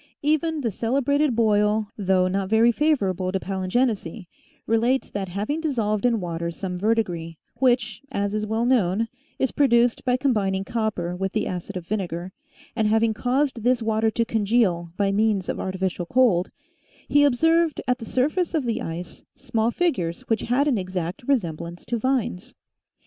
Even the celebrated Boyle, though not very favorable to palingenesy, relates that having dissolved in water some verdigris, which, as is well known, is produced by combin ing copper with the acid of vinegar, and having caused this water to congeal, by means of artificial cold, he observed, at the surface of the ice, small figures which had an exact resemblance to vines.